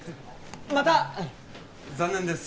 また残念です